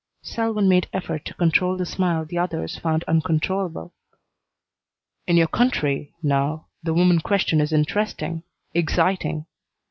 Selwyn made effort to control the smile the others found uncontrollable. "In your country, now, the woman question is interesting, exciting.